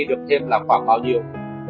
được thêm là khoảng bao nhiêu